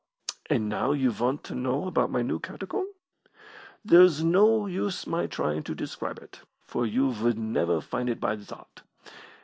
And now you want to know about my new catacomb. There's no use my trying to describe it, for you would never find it by that.